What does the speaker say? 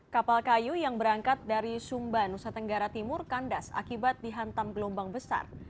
kapal kayu yang berangkat dari sumba nusa tenggara timur kandas akibat dihantam gelombang besar